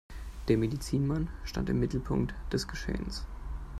Der Medizinmann stand im Mittelpunkt des Geschehens.